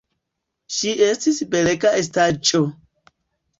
Ŝi estis belega estaĵo.